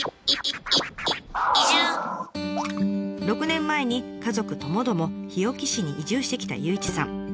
６年前に家族ともども日置市に移住してきた祐一さん。